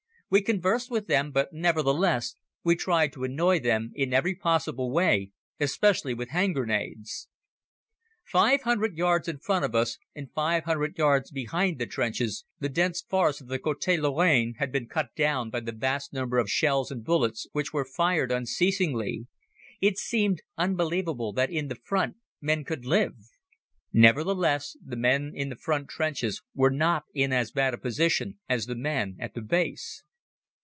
We conversed with them, but nevertheless, we tried to annoy them in every possible way, especially with hand grenades. Five hundreds yards in front of us and five hundred yards behind the trenches the dense forest of the Côte Lorraine had been cut down by the vast number of shells and bullets which were fired unceasingly. It seemed unbelievable that in front men could live. Nevertheless, the men in the front trenches were not in as bad a position as the men at the Base.